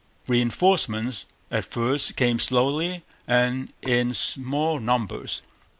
Reinforcements at first came slowly and in small numbers.